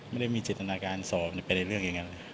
ไม่ได้มีเจตนาการสอบไปในเรื่องอย่างนั้นเลย